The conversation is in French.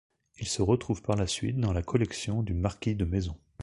Il se retrouve par la suite dans la collection du marquis de Maison.